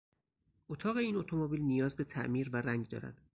اتاق این اتومبیل نیاز به تعمیر و رنگ دارد.